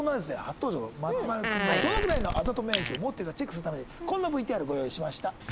初登場の松丸君がどのぐらいのあざと免疫を持ってるかチェックするためにこんなＶＴＲご用意しました。